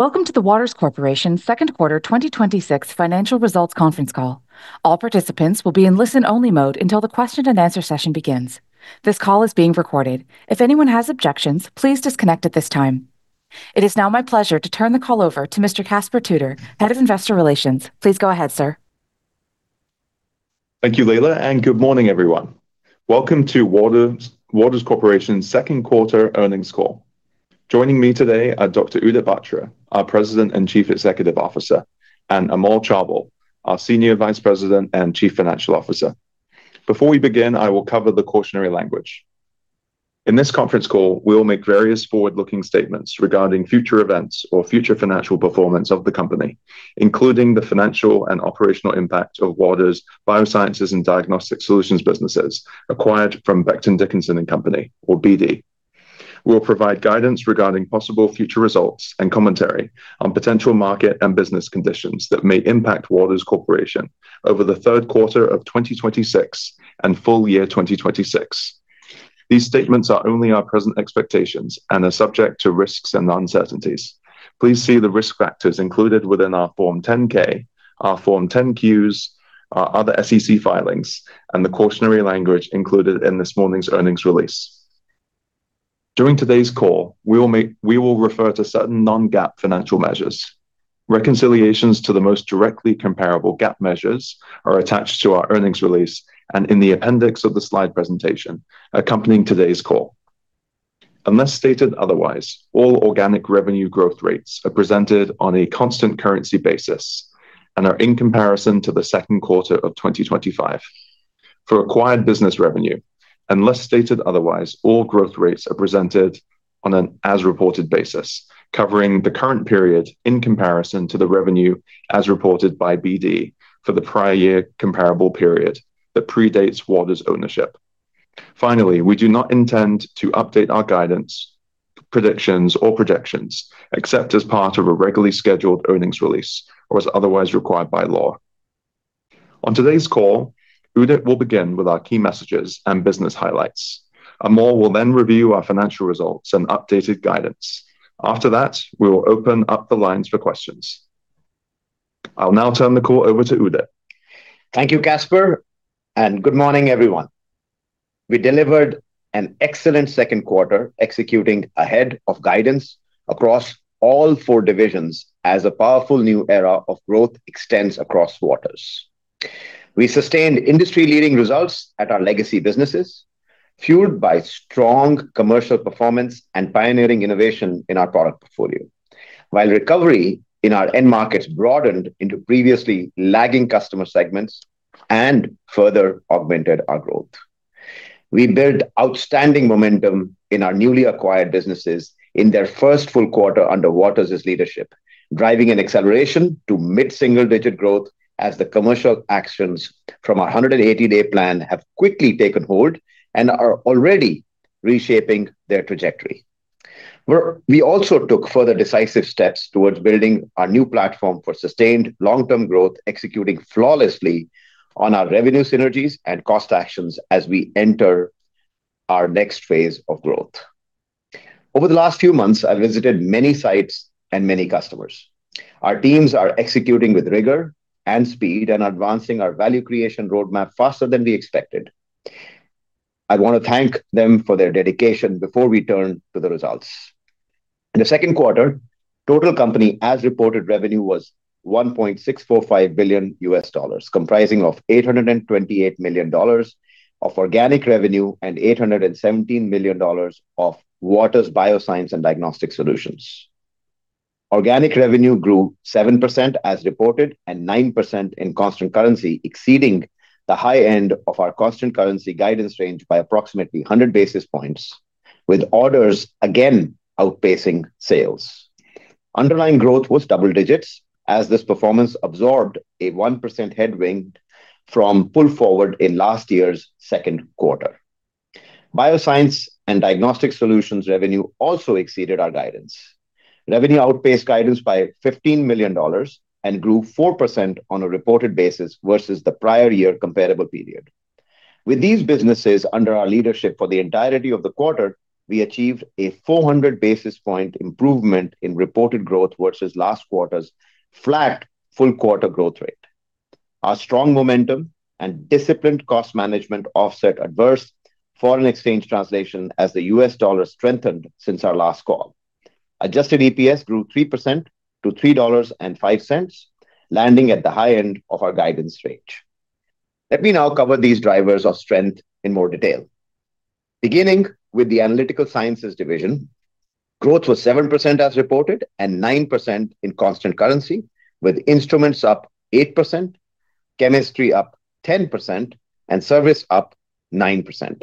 Welcome to the Waters Corporation second quarter 2026 financial results conference call. All participants will be in listen-only mode until the question and answer session begins. This call is being recorded. If anyone has objections, please disconnect at this time. It is now my pleasure to turn the call over to Mr. Caspar Tudor, Head of Investor Relations. Please go ahead, sir. Thank you, Layla. Good morning, everyone. Welcome to Waters Corporation's second quarter earnings call. Joining me today are Dr. Udit Batra, our President and Chief Executive Officer, and Amol Chaubal, our Senior Vice President and Chief Financial Officer. Before we begin, I will cover the cautionary language. In this conference call, we'll make various forward-looking statements regarding future events or future financial performance of the company, including the financial and operational impact of Waters Biosciences and Diagnostic Solutions businesses acquired from Becton, Dickinson and Company, or BD. We'll provide guidance regarding possible future results and commentary on potential market and business conditions that may impact Waters Corporation over the third quarter of 2026 and full year 2026. These statements are only our present expectations and are subject to risks and uncertainties. Please see the risk factors included within our Form 10-K, our Form 10-Qs, our other SEC filings, and the cautionary language included in this morning's earnings release. During today's call, we will refer to certain non-GAAP financial measures. Reconciliations to the most directly comparable GAAP measures are attached to our earnings release and in the appendix of the slide presentation accompanying today's call. Unless stated otherwise, all organic revenue growth rates are presented on a constant currency basis and are in comparison to the second quarter of 2025. For acquired business revenue, unless stated otherwise, all growth rates are presented on an as reported basis covering the current period in comparison to the revenue as reported by BD for the prior year comparable period that predates Waters' ownership. We do not intend to update our guidance, predictions, or projections except as part of a regularly scheduled earnings release or as otherwise required by law. On today's call, Udit will begin with our key messages and business highlights. Amol will then review our financial results and updated guidance. We will open up the lines for questions. I'll now turn the call over to Udit. Thank you, Caspar, and good morning, everyone. We delivered an excellent second quarter executing ahead of guidance across all four divisions as a powerful new era of growth extends across Waters. We sustained industry-leading results at our legacy businesses, fueled by strong commercial performance and pioneering innovation in our product portfolio. While recovery in our end markets broadened into previously lagging customer segments and further augmented our growth. We built outstanding momentum in our newly acquired businesses in their first full quarter under Waters' leadership, driving an acceleration to mid-single-digit growth as the commercial actions from our 180-day plan have quickly taken hold and are already reshaping their trajectory. We also took further decisive steps towards building our new platform for sustained long-term growth, executing flawlessly on our revenue synergies and cost actions as we enter our next phase of growth. Over the last few months, I've visited many sites and many customers. Our teams are executing with rigor and speed and advancing our value creation roadmap faster than we expected. I want to thank them for their dedication before we turn to the results. In the second quarter, total company as reported revenue was $1.645 billion, comprising of $828 million of organic revenue and $817 million of Waters Biosciences and Diagnostic Solutions. Organic revenue grew 7% as reported and 9% in constant currency, exceeding the high end of our constant currency guidance range by approximately 100 basis points, with orders again outpacing sales. Underlying growth was double digits as this performance absorbed a 1% headwind from pull forward in last year's second quarter. Biosciences and Diagnostic Solutions revenue also exceeded our guidance. Revenue outpaced guidance by $15 million and grew 4% on a reported basis versus the prior year comparable period. With these businesses under our leadership for the entirety of the quarter, we achieved a 400 basis point improvement in reported growth versus last quarter's flat full quarter growth rate. Our strong momentum and disciplined cost management offset adverse foreign exchange translation as the U.S. dollar strengthened since our last call. Adjusted EPS grew 3% to $3.05, landing at the high end of our guidance range. Let me now cover these drivers of strength in more detail. Beginning with the Analytical Sciences Division, growth was 7% as reported and 9% in constant currency, with instruments up 8%, chemistry up 10%, and service up 9%.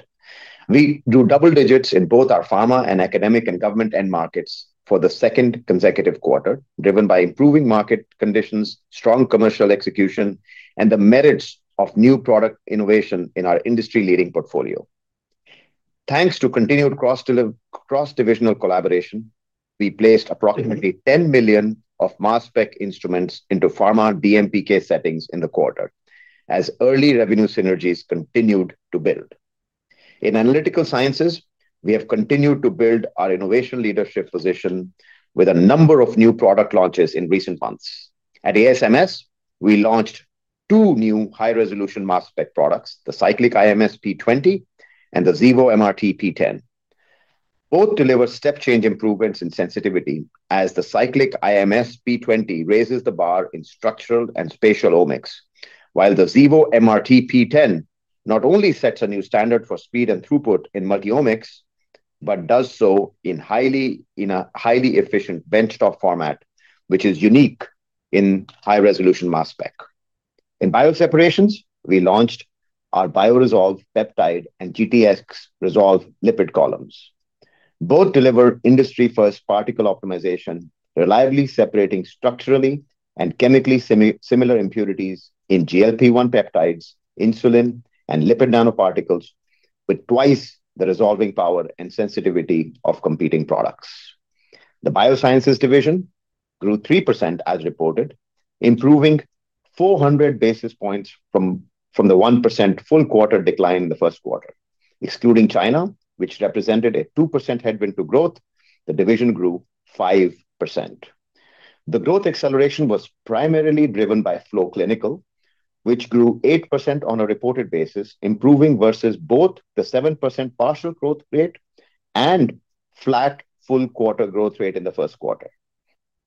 We grew double digits in both our pharma and academic and government end markets for the second consecutive quarter, driven by improving market conditions, strong commercial execution, and the merits of new product innovation in our industry-leading portfolio. Thanks to continued cross-divisional collaboration, we placed approximately $10 million of mass spec instruments into pharma DMPK settings in the quarter as early revenue synergies continued to build. In Analytical Sciences, we have continued to build our innovation leadership position with a number of new product launches in recent months. At ASMS, we launched two new high-resolution mass spec products, the Cyclic IMS P20 and the Xevo MRT P10. Both deliver step change improvements in sensitivity as the Cyclic IMS P20 raises the bar in structural and spatial omics, while the Xevo MRT P10 not only sets a new standard for speed and throughput in multi-omics, but does so in a highly efficient benchtop format, which is unique in high-resolution mass spec. In bioseparations, we launched our BioResolve Peptide and GTxResolve Lipid columns. Both deliver industry-first particle optimization, reliably separating structurally and chemically similar impurities in GLP-1 peptides, insulin, and lipid nanoparticles with twice the resolving power and sensitivity of competing products. The Biosciences Division grew 3% as reported, improving 400 basis points from the 1% full quarter decline in the first quarter. Excluding China, which represented a 2% headwind to growth, the division grew 5%. The growth acceleration was primarily driven by flow clinical, which grew 8% on a reported basis, improving versus both the 7% partial growth rate and flat full quarter growth rate in the first quarter.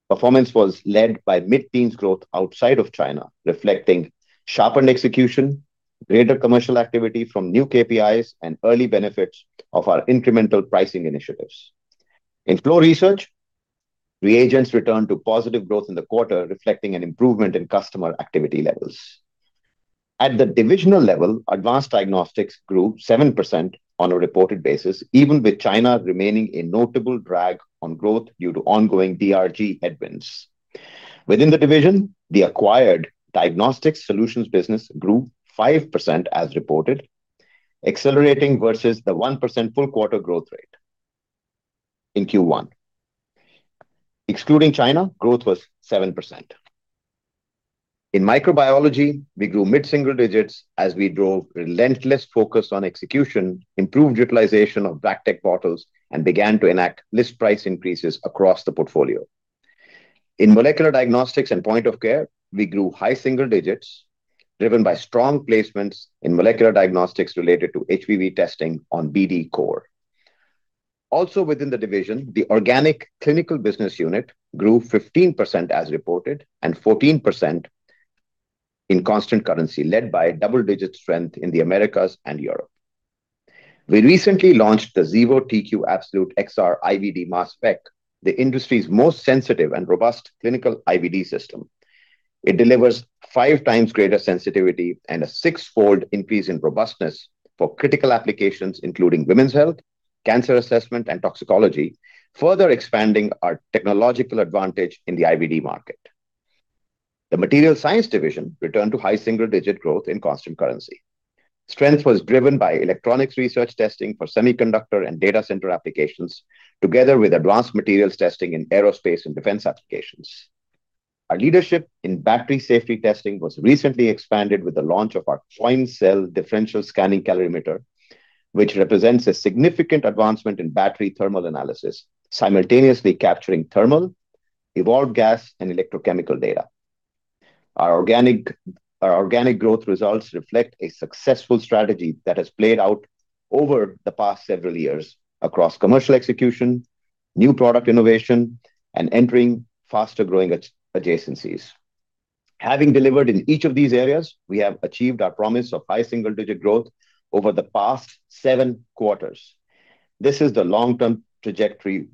Performance was led by mid-teens growth outside of China, reflecting sharpened execution, greater commercial activity from new KPIs, and early benefits of our incremental pricing initiatives. In flow research, reagents returned to positive growth in the quarter, reflecting an improvement in customer activity levels. At the divisional level, Advanced Diagnostics grew 7% on a reported basis, even with China remaining a notable drag on growth due to ongoing DRG headwinds. Within the division, the acquired Diagnostic Solutions business grew 5% as reported, accelerating versus the 1% full quarter growth rate in Q1. Excluding China, growth was 7%. In microbiology, we grew mid-single digits as we drove relentless focus on execution, improved utilization of BACTEC bottles, and began to enact list price increases across the portfolio. In molecular diagnostics and point of care, we grew high single digits, driven by strong placements in molecular diagnostics related to HPV testing on BD COR. Also within the division, the organic Clinical Business Unit grew 15% as reported, and 14% in constant currency, led by double-digit strength in the Americas and Europe. We recently launched the Xevo TQ Absolute XR IVD mass spec, the industry's most sensitive and robust clinical IVD system. It delivers 5x greater sensitivity and a sixfold increase in robustness for critical applications including women's health, cancer assessment, and toxicology, further expanding our technological advantage in the IVD market. The Materials Science Division returned to high single-digit growth in constant currency. Strength was driven by electronics research testing for semiconductor and data center applications, together with advanced materials testing in aerospace and defense applications. Our leadership in battery safety testing was recently expanded with the launch of our Coin Cell Differential Scanning Calorimeter, which represents a significant advancement in battery thermal analysis, simultaneously capturing thermal, evolved gas, and electrochemical data. Our organic growth results reflect a successful strategy that has played out over the past several years across commercial execution, new product innovation, and entering faster-growing adjacencies. Having delivered in each of these areas, we have achieved our promise of high single-digit growth over the past seven quarters. This is the long-term trajectory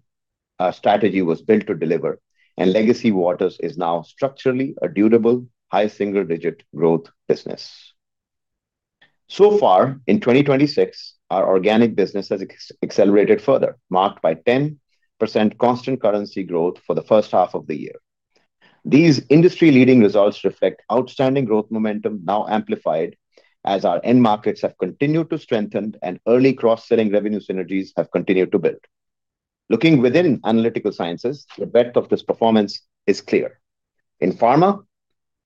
our strategy was built to deliver, and legacy Waters is now structurally a durable, high single-digit growth business. In 2026, our organic business has accelerated further, marked by 10% constant currency growth for the first half of the year. These industry-leading results reflect outstanding growth momentum, now amplified as our end markets have continued to strengthen and early cross-selling revenue synergies have continued to build. Looking within Analytical Sciences, the breadth of this performance is clear. In pharma,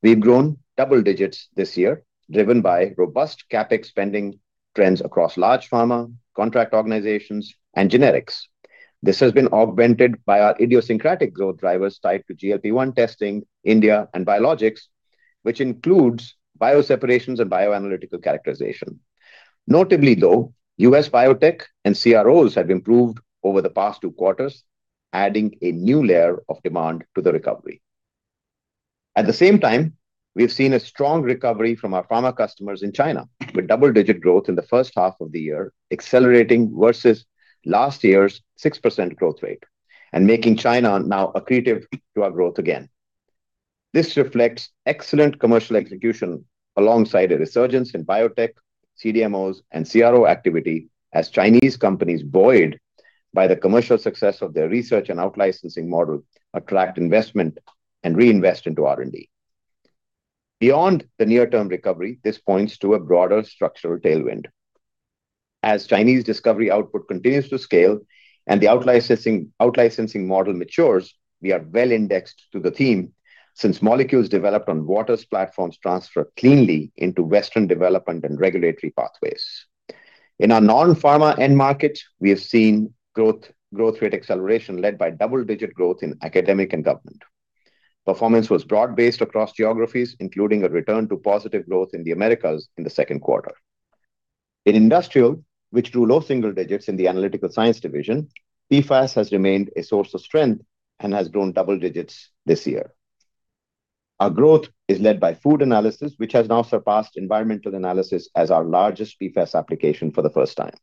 we've grown double digits this year, driven by robust CapEx spending trends across large pharma, contract organizations, and generics. This has been augmented by our idiosyncratic growth drivers tied to GLP-1 testing, India, and biologics, which includes bioseparations and bioanalytical characterization. Notably, though, U.S. biotech and CROs have improved over the past two quarters, adding a new layer of demand to the recovery. At the same time, we've seen a strong recovery from our pharma customers in China, with double-digit growth in the first half of the year accelerating versus last year's 6% growth rate and making China now accretive to our growth again. This reflects excellent commercial execution alongside a resurgence in biotech, CDMOs, and CRO activity as Chinese companies, buoyed by the commercial success of their research and out-licensing model, attract investment and reinvest into R&D. Beyond the near-term recovery, this points to a broader structural tailwind. As Chinese discovery output continues to scale and the out-licensing model matures, we are well indexed to the theme since molecules developed on Waters platforms transfer cleanly into Western development and regulatory pathways. In our non-pharma end market, we have seen growth rate acceleration led by double-digit growth in academic and government. Performance was broad-based across geographies, including a return to positive growth in the Americas in the second quarter. In industrial, which grew low single digits in the Analytical Sciences Division, PFAS has remained a source of strength and has grown double digits this year. Our growth is led by food analysis, which has now surpassed environmental analysis as our largest PFAS application for the first time.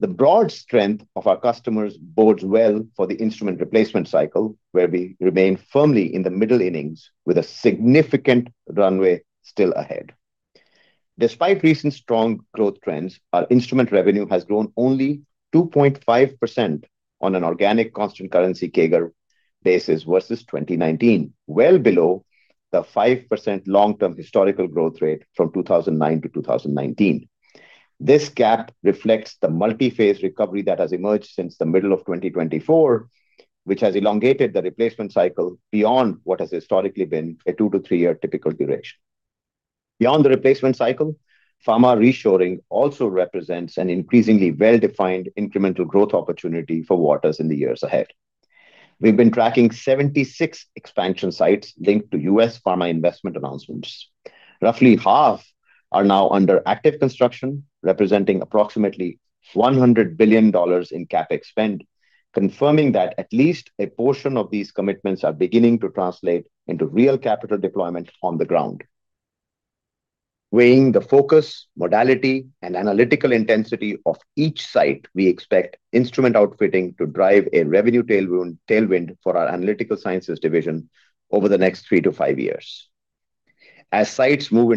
The broad strength of our customers bodes well for the instrument replacement cycle, where we remain firmly in the middle innings with a significant runway still ahead. Despite recent strong growth trends, our instrument revenue has grown only 2.5% on an organic constant currency CAGR basis versus 2019, well below the 5% long-term historical growth rate from 2009 to 2019. This gap reflects the multi-phase recovery that has emerged since the middle of 2024, which has elongated the replacement cycle beyond what has historically been a two to three-year typical duration. Beyond the replacement cycle, pharma reshoring also represents an increasingly well-defined incremental growth opportunity for Waters in the years ahead. We've been tracking 76 expansion sites linked to U.S. pharma investment announcements. Roughly half are now under active construction, representing approximately $100 billion in CapEx spend, confirming that at least a portion of these commitments are beginning to translate into real capital deployment on the ground. Weighing the focus, modality, and analytical intensity of each site, we expect instrument outfitting to drive a revenue tailwind for our Analytical Sciences Division over the next three to five years. As sites move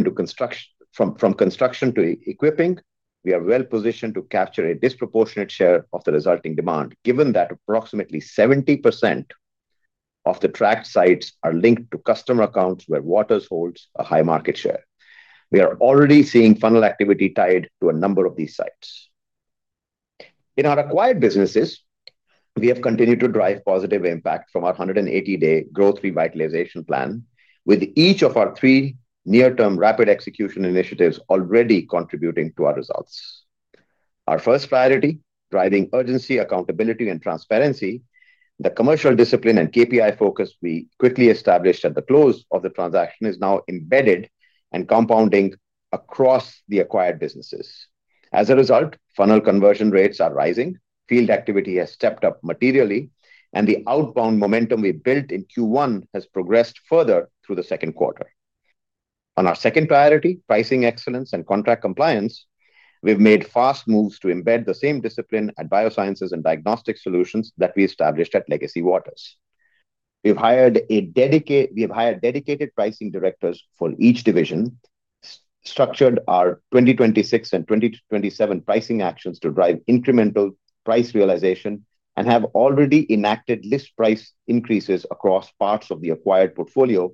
from construction to equipping, we are well-positioned to capture a disproportionate share of the resulting demand, given that approximately 70% of the tracked sites are linked to customer accounts where Waters Corporation holds a high market share. We are already seeing funnel activity tied to a number of these sites. In our acquired businesses, we have continued to drive positive impact from our 180-day growth revitalization plan, with each of our three near-term rapid execution initiatives already contributing to our results. Our first priority, driving urgency, accountability, and transparency. The commercial discipline and KPI focus we quickly established at the close of the transaction is now embedded and compounding across the acquired businesses. As a result, funnel conversion rates are rising, field activity has stepped up materially, and the outbound momentum we built in Q1 has progressed further through the second quarter. On our second priority, pricing excellence and contract compliance, we've made fast moves to embed the same discipline at Biosciences and Diagnostic Solutions that we established at legacy Waters. We have hired dedicated pricing directors for each division, structured our 2026 and 2027 pricing actions to drive incremental price realization and have already enacted list price increases across parts of the acquired portfolio,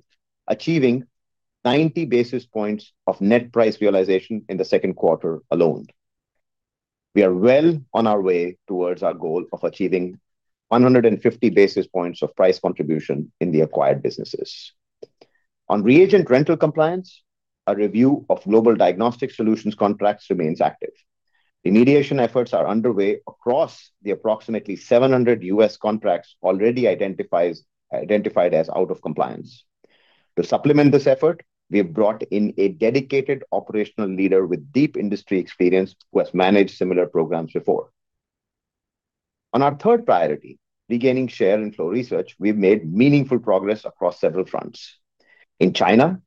achieving 90 basis points of net price realization in the second quarter alone. We are well on our way towards our goal of achieving 150 basis points of price contribution in the acquired businesses. On reagent rental compliance, a review of global Diagnostic Solutions contracts remains active. Remediation efforts are underway across the approximately 700 U.S. contracts already identified as out of compliance. To supplement this effort, we have brought in a dedicated operational leader with deep industry experience who has managed similar programs before. On our third priority, regaining share in flow research, we've made meaningful progress across several fronts. In China,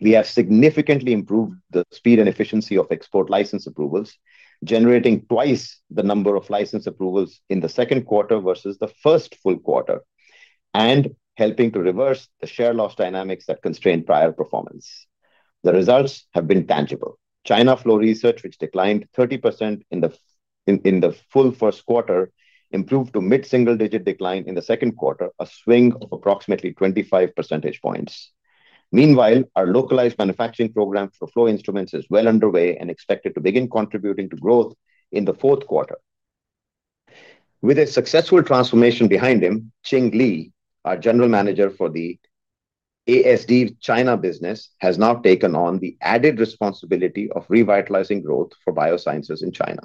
we have significantly improved the speed and efficiency of export license approvals, generating twice the number of license approvals in the second quarter versus the first full quarter, and helping to reverse the share loss dynamics that constrained prior performance. The results have been tangible. China flow research, which declined 30% in the full first quarter, improved to mid-single-digit decline in the second quarter, a swing of approximately 25 percentage points. Meanwhile, our localized manufacturing program for flow instruments is well underway and expected to begin contributing to growth in the fourth quarter. With a successful transformation behind him, Qing Li, our general manager for the ASD China business, has now taken on the added responsibility of revitalizing growth for Biosciences in China.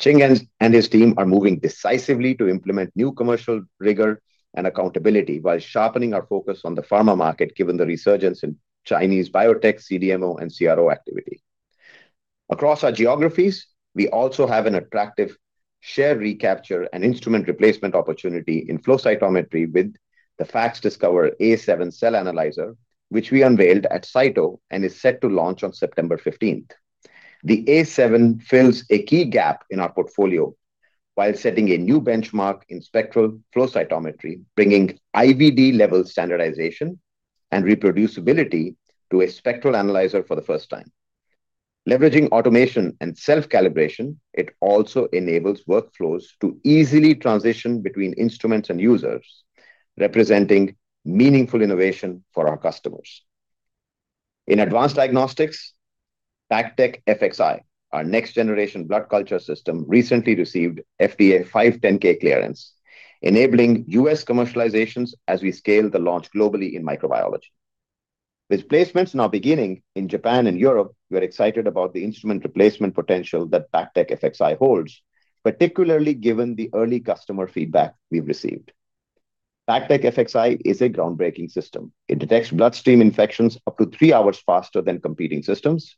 Qing and his team are moving decisively to implement new commercial rigor and accountability while sharpening our focus on the pharma market, given the resurgence in Chinese biotech, CDMO, and CRO activity. Across our geographies, we also have an attractive share recapture and instrument replacement opportunity in flow cytometry with the FACSDiscover A7 cell analyzer, which we unveiled at CYTO and is set to launch on September 15th. The A7 fills a key gap in our portfolio while setting a new benchmark in spectral flow cytometry, bringing IVD-level standardization and reproducibility to a spectral analyzer for the first time. Leveraging automation and self-calibration, it also enables workflows to easily transition between instruments and users, representing meaningful innovation for our customers. In Advanced Diagnostics, BACTEC FXI, our next-generation blood culture system, recently received FDA 510 clearance, enabling U.S. commercializations as we scale the launch globally in microbiology. With placements now beginning in Japan and Europe, we are excited about the instrument replacement potential that BACTEC FXI holds, particularly given the early customer feedback we've received. BACTEC FXI is a groundbreaking system. It detects bloodstream infections up to three hours faster than competing systems,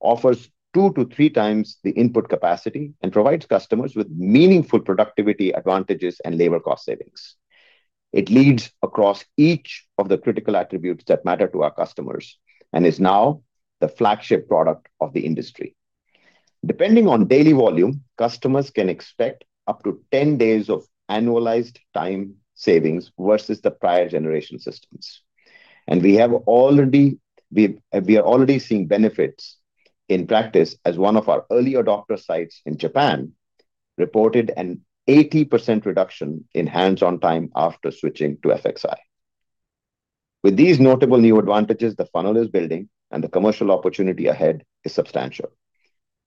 offers 2x-3x the input capacity, and provides customers with meaningful productivity advantages and labor cost savings. It leads across each of the critical attributes that matter to our customers and is now the flagship product of the industry. Depending on daily volume, customers can expect up to 10 days of annualized time savings versus the prior generation systems. We are already seeing benefits in practice, as one of our early adopter sites in Japan reported an 80% reduction in hands-on time after switching to BACTEC FXI. With these notable new advantages, the funnel is building, and the commercial opportunity ahead is substantial.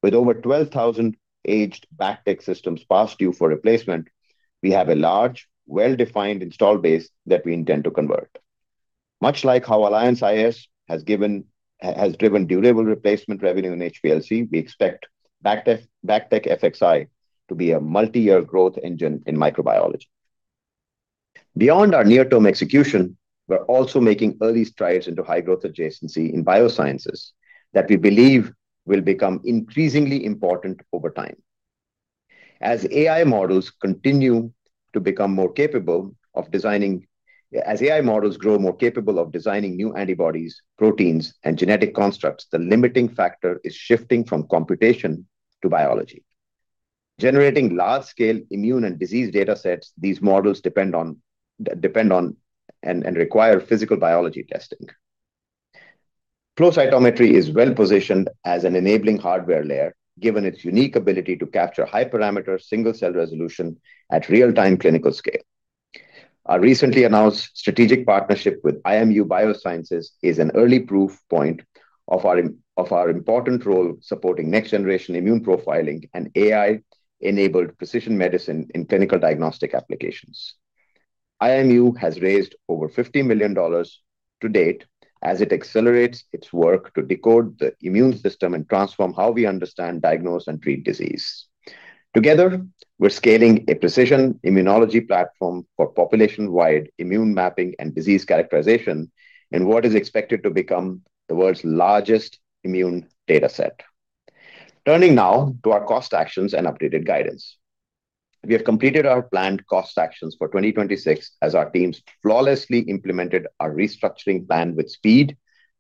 With over 12,000 aged BACTEC systems past due for replacement, we have a large, well-defined install base that we intend to convert. Much like how Alliance iS has driven durable replacement revenue in HPLC, we expect BACTEC FXI to be a multi-year growth engine in microbiology. Beyond our near-term execution, we're also making early strides into high-growth adjacency in biosciences that we believe will become increasingly important over time. As AI models grow more capable of designing new antibodies, proteins, and genetic constructs, the limiting factor is shifting from computation to biology. Generating large-scale immune and disease data sets, these models depend on and require physical biology testing. Flow cytometry is well positioned as an enabling hardware layer, given its unique ability to capture high parameter, single cell resolution at real-time clinical scale. Our recently announced strategic partnership with IMU Biosciences is an early proof point of our important role supporting next generation immune profiling and AI-enabled precision medicine in clinical diagnostic applications. IMU has raised over $50 million to date as it accelerates its work to decode the immune system and transform how we understand, diagnose, and treat disease. Together, we're scaling a precision immunology platform for population-wide immune mapping and disease characterization in what is expected to become the world's largest immune data set. Turning now to our cost actions and updated guidance. We have completed our planned cost actions for 2026 as our teams flawlessly implemented our restructuring plan with speed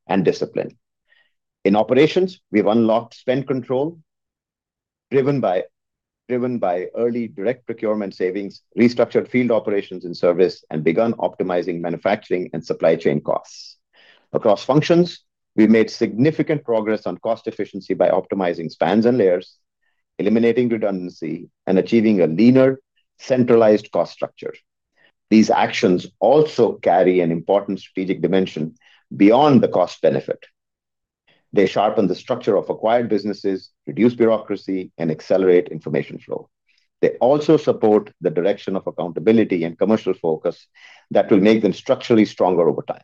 and discipline. In operations, we've unlocked spend control driven by early direct procurement savings, restructured field operations and service, and begun optimizing manufacturing and supply chain costs. Across functions, we've made significant progress on cost efficiency by optimizing spans and layers, eliminating redundancy, and achieving a leaner, centralized cost structure. These actions also carry an important strategic dimension beyond the cost benefit. They sharpen the structure of acquired businesses, reduce bureaucracy, and accelerate information flow. They also support the direction of accountability and commercial focus that will make them structurally stronger over time.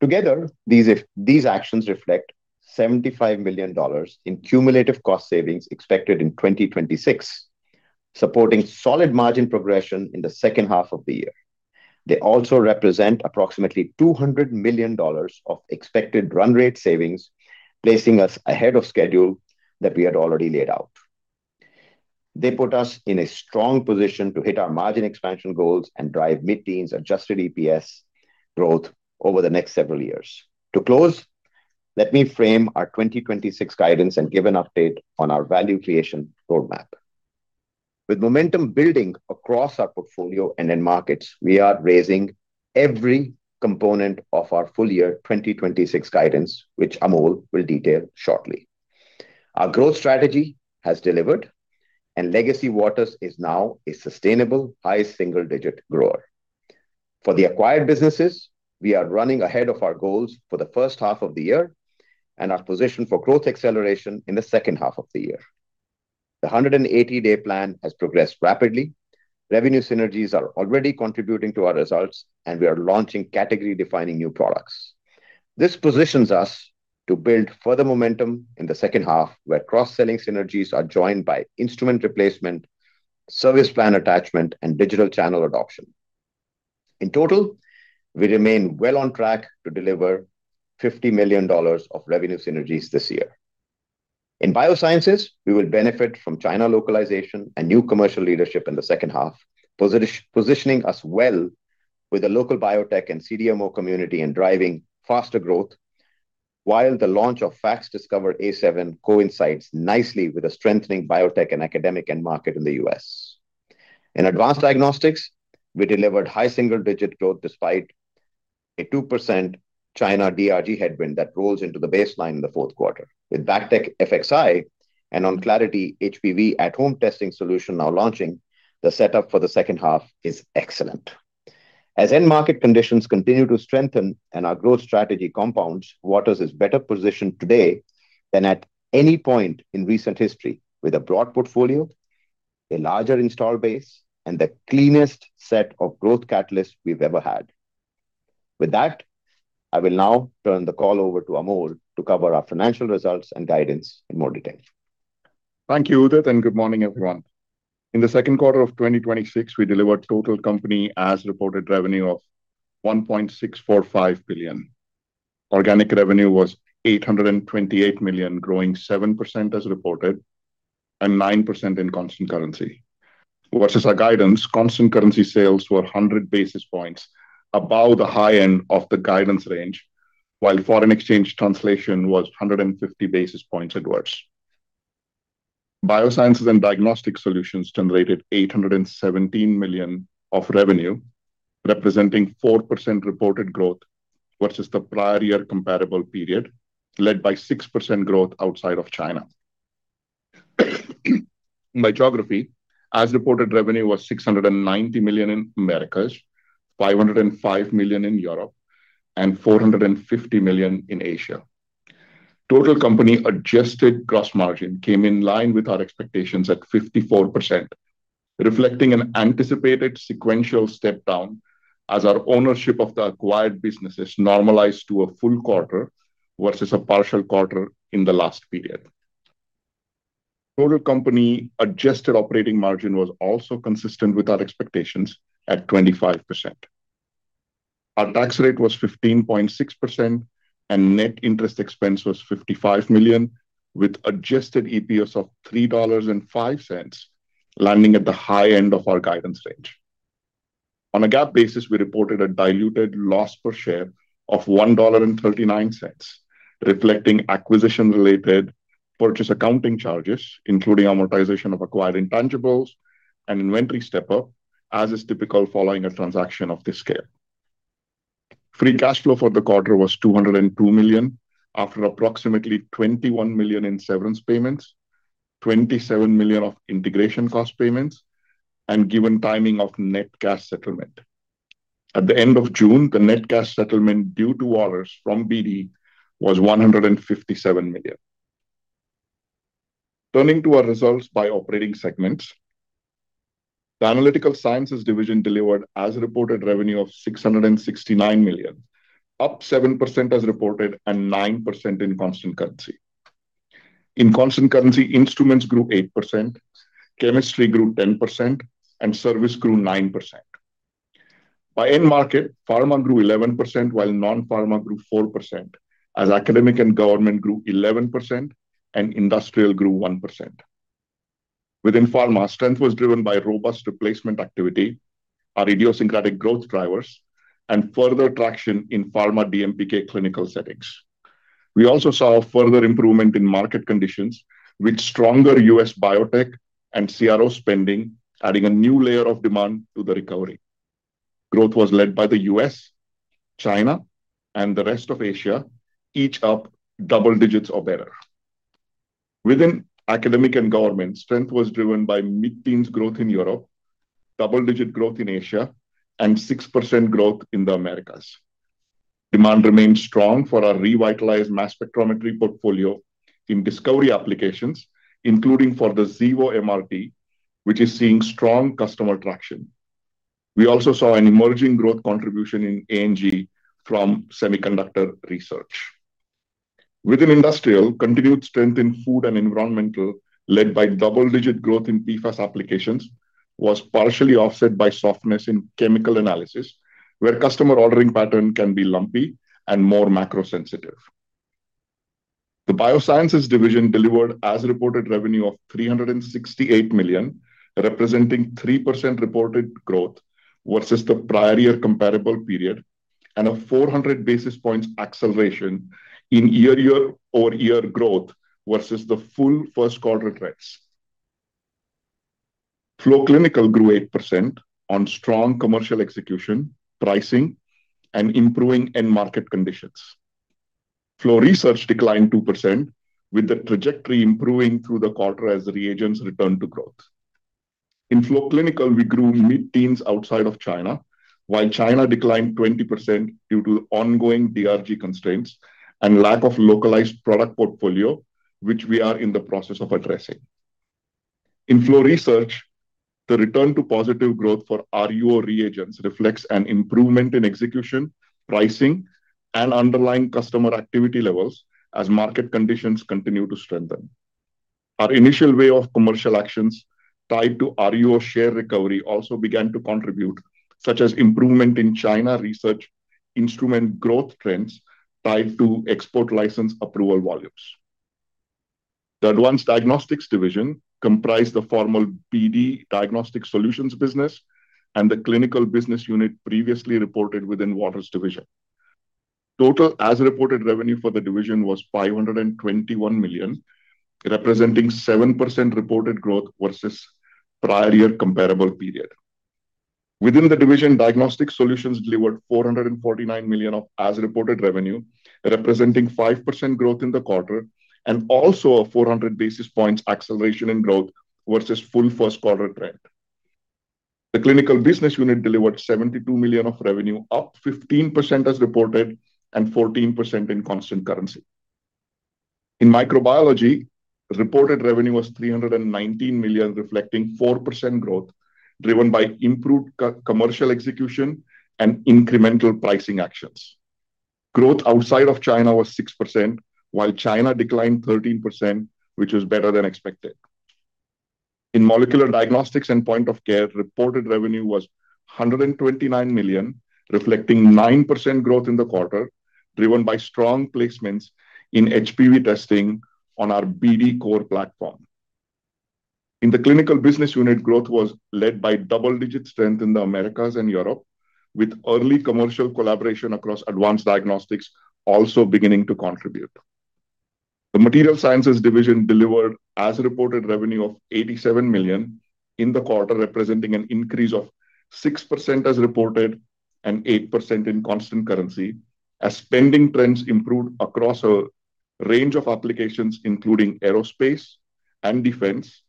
Together, these actions reflect $75 million in cumulative cost savings expected in 2026, supporting solid margin progression in the second half of the year. They also represent approximately $200 million of expected run rate savings, placing us ahead of schedule that we had already laid out. They put us in a strong position to hit our margin expansion goals and drive mid-teens adjusted EPS growth over the next several years. To close, let me frame our 2026 guidance and give an update on our value creation roadmap. With momentum building across our portfolio and end markets, we are raising every component of our full year 2026 guidance, which Amol will detail shortly. Our growth strategy has delivered, and legacy Waters is now a sustainable high single digit grower. For the acquired businesses, we are running ahead of our goals for the first half of the year and are positioned for growth acceleration in the second half of the year. The 180-day plan has progressed rapidly. Revenue synergies are already contributing to our results, and we are launching category-defining new products. This positions us to build further momentum in the second half, where cross-selling synergies are joined by instrument replacement, service plan attachment, and digital channel adoption. In total, we remain well on track to deliver $50 million of revenue synergies this year. In biosciences, we will benefit from China localization and new commercial leadership in the second half, positioning us well with the local biotech and CDMO community and driving faster growth. While the launch of FACSDiscover A7 coincides nicely with a strengthening biotech and academic end market in the U.S. In advanced diagnostics, we delivered high single-digit growth despite a 2% China DRG headwind that rolls into the baseline in the fourth quarter. With BACTEC FXI and Onclarity HPV at home testing solution now launching, the setup for the second half is excellent. As end market conditions continue to strengthen and our growth strategy compounds, Waters is better positioned today than at any point in recent history, with a broad portfolio, a larger install base, and the cleanest set of growth catalysts we've ever had. With that, I will now turn the call over to Amol to cover our financial results and guidance in more detail. Thank you, Udit, and good morning, everyone. In the second quarter of 2026, we delivered total company as-reported revenue of $1.645 billion. Organic revenue was $828 million, growing 7% as reported and 9% in constant currency. Versus our guidance, constant currency sales were 100 basis points above the high end of the guidance range, while foreign exchange translation was 150 basis points adverse. Biosciences and Diagnostic Solutions generated $817 million of revenue, representing 4% reported growth versus the prior year comparable period, led by 6% growth outside of China. By geography, as-reported revenue was $690 million in Americas, $505 million in Europe, and $450 million in Asia. Total company adjusted gross margin came in line with our expectations at 54%, reflecting an anticipated sequential step-down as our ownership of the acquired businesses normalized to a full quarter versus a partial quarter in the last period. Total company adjusted operating margin was also consistent with our expectations at 25%. Our tax rate was 15.6% and net interest expense was $55 million with adjusted EPS of $3.05, landing at the high end of our guidance range. On a GAAP basis, we reported a diluted loss per share of $1.39, reflecting acquisition-related purchase accounting charges, including amortization of acquired intangibles and inventory step-up, as is typical following a transaction of this scale. Free cash flow for the quarter was $202 million after approximately $21 million in severance payments, $27 million of integration cost payments, and given timing of net cash settlement. At the end of June, the net cash settlement due to Waters from BD was $157 million. Turning to our results by operating segments. The Analytical Sciences Division delivered as-reported revenue of $669 million, up 7% as reported and 9% in constant currency. In constant currency, instruments grew 8%, chemistry grew 10%, and service grew 9%. By end market, pharma grew 11%, while non-pharma grew 4%, as academic and government grew 11% and industrial grew 1%. Within pharma, strength was driven by robust replacement activity, our idiosyncratic growth drivers, and further traction in pharma DMPK clinical settings. We also saw a further improvement in market conditions with stronger U.S. biotech and CRO spending, adding a new layer of demand to the recovery. Growth was led by the U.S., China, and the rest of Asia, each up double digits or better. Within academic and government, strength was driven by mid-teens growth in Europe, double-digit growth in Asia, and 6% growth in the Americas. Demand remained strong for our revitalized mass spectrometry portfolio in discovery applications, including for the Xevo MRT, which is seeing strong customer traction. We also saw an emerging growth contribution in A&G from semiconductor research. Within industrial, continued strength in food and environmental, led by double-digit growth in PFAS applications, was partially offset by softness in chemical analysis, where customer ordering pattern can be lumpy and more macro sensitive. The Biosciences Division delivered as-reported revenue of $368 million, representing 3% reported growth versus the prior year comparable period, and a 400 basis points acceleration in year-over-year growth versus the full first quarter trends. Flow clinical grew 8% on strong commercial execution, pricing, and improving end market conditions. Flow research declined 2% with the trajectory improving through the quarter as reagents return to growth. In Flow clinical, we grew mid-teens outside of China, while China declined 20% due to ongoing DRG constraints and lack of localized product portfolio, which we are in the process of addressing. In flow research, the return to positive growth for RUO reagents reflects an improvement in execution, pricing, and underlying customer activity levels as market conditions continue to strengthen. Our initial way of commercial actions tied to RUO share recovery also began to contribute, such as improvement in China research, instrument growth trends tied to export license approval volumes. The Advanced Diagnostics Division comprised the formal BD Diagnostic Solutions business and the Clinical Business Unit previously reported within Waters division. Total as-reported revenue for the division was $521 million, representing 7% reported growth versus prior year comparable period. Within the division, Diagnostic Solutions delivered $449 million of as-reported revenue, representing 5% growth in the quarter and also a 400 basis points acceleration in growth versus full first quarter trend. The Clinical Business Unit delivered $72 million of revenue, up 15% as reported and 14% in constant currency. In microbiology, reported revenue was $319 million, reflecting 4% growth driven by improved commercial execution and incremental pricing actions. Growth outside of China was 6%, while China declined 13%, which was better than expected. In molecular diagnostics and point of care, reported revenue was $129 million, reflecting 9% growth in the quarter, driven by strong placements in HPV testing on our BD COR System. In the Clinical Business Unit, growth was led by double-digit strength in the Americas and Europe, with early commercial collaboration across Advanced Diagnostics also beginning to contribute. The Materials Sciences Division delivered as-reported revenue of $87 million in the quarter, representing an increase of 6% as reported and 8% in constant currency, as spending trends improved across a range of applications, including aerospace and defense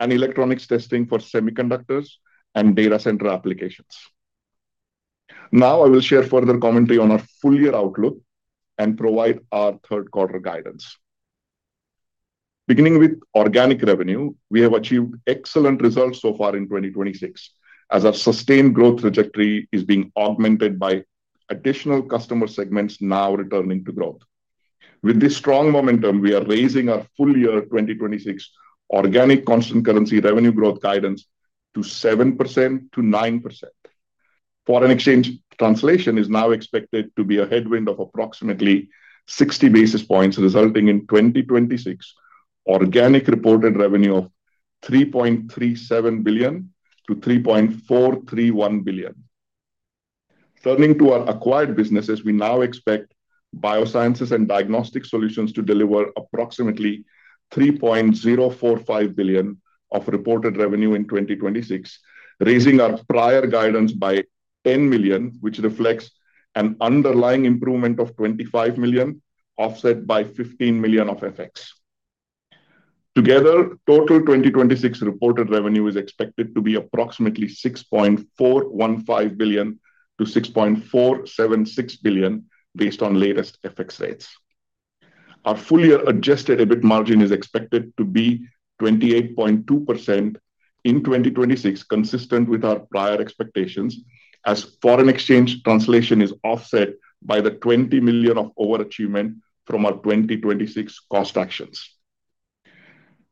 and electronics testing for semiconductors and data center applications. I will share further commentary on our full-year outlook and provide our third quarter guidance. Beginning with organic revenue, we have achieved excellent results so far in 2026 as our sustained growth trajectory is being augmented by additional customer segments now returning to growth. With this strong momentum, we are raising our full year 2026 organic constant currency revenue growth guidance to 7%-9%. Foreign exchange translation is now expected to be a headwind of approximately 60 basis points, resulting in 2026 organic reported revenue of $3.370 billion-$3.431 billion. Turning to our acquired businesses, we now expect Biosciences and Diagnostic Solutions to deliver approximately $3.045 billion of reported revenue in 2026, raising our prior guidance by $10 million, which reflects an underlying improvement of $25 million, offset by $15 million of FX. Together, total 2026 reported revenue is expected to be approximately $6.415 billion-$6.476 billion based on latest FX rates. Our full year adjusted EBIT margin is expected to be 28.2% in 2026, consistent with our prior expectations as foreign exchange translation is offset by the $20 million of overachievement from our 2026 cost actions.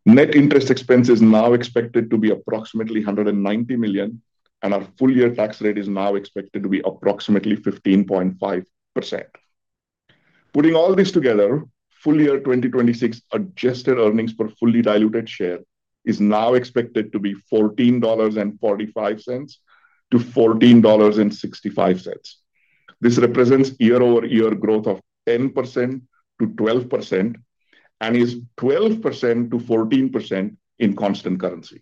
Net interest expense is now expected to be approximately $190 million, and our full year tax rate is now expected to be approximately 15.5%. Putting all this together, full year 2026 adjusted earnings per fully diluted share is now expected to be $14.45-$14.65. This represents year-over-year growth of 10%-12% and is 12%-14% in constant currency.